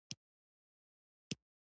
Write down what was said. هیلۍ د خپلو بچو روزنه ښه کوي